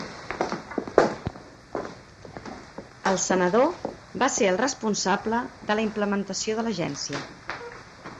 El senador va ser el responsable de la implementació de l'agència.